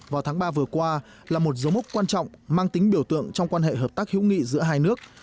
vào tháng ba vừa qua là một dấu mốc quan trọng mang tính biểu tượng trong quan hệ hợp tác hữu nghị giữa hai nước